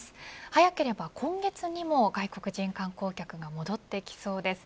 早ければ今月にも外国人観光客が戻ってきそうです。